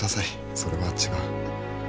それは違う。